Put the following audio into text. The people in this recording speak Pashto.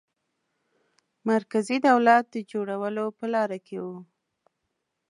مرکزي دولت د جوړولو په لاره کې وو.